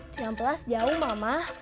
cuma pelas jauh mama